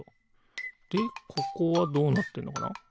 でここはどうなってるのかな？